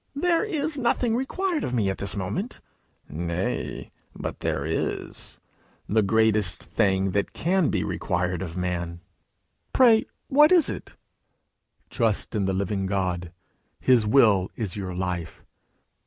'There is nothing required of me at this moment.' 'Nay, but there is the greatest thing that can be required of man.' 'Pray, what is it?' 'Trust in the living God. His will is your life.'